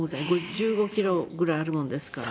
１５キロぐらいあるもんですから。